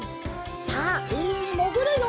さあうみにもぐるよ！